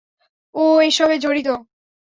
ও এসবে জড়িত?